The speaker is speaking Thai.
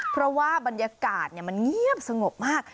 เพราะว่าบรรยากาศมันเงียบสงบมาก